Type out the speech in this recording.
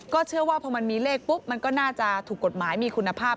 เชื่อว่าพอมันมีเลขปุ๊บมันก็น่าจะถูกกฎหมายมีคุณภาพ